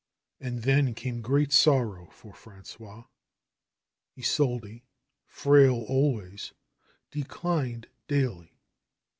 And then came great sorrow for Frangois. Isolde, frail always, declined daily.